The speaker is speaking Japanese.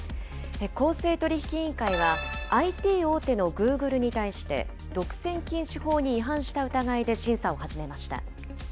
公正取引委員会は、ＩＴ大手のグーグルに対して、独占禁止法に違反した疑いで審査を始めました。